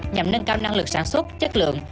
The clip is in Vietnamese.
nhằm nâng cao năng lực sản xuất chất lượng